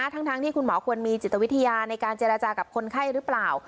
ทั้งที่คุณหมอควรมีจิตวิทยาในการเจรจากับคนไข้หรือเปล่า